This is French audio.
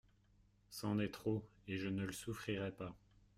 C'en est trop, et je ne le souffrirai pas.